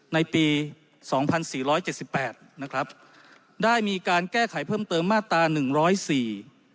ในปีสองพันสี่ร้อยเจ็ดสิบแปดนะครับได้มีการแก้ไขเพิ่มเติมมาตราหนึ่งร้อยสี่